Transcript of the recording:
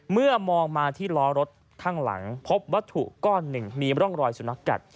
เมื่อมองมาที่ล้อรถข้างหลังพบวัตถุก้อนหนึ่งมีร่องรอยสุนัขกัด